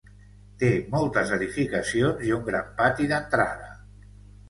Té moltes edificacions i un gran pati d'entrada.